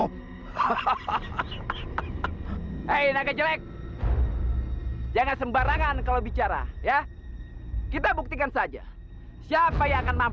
hahaha eh naga jelek jangan sembarangan kalau bicara ya kita buktikan saja siapa yang akan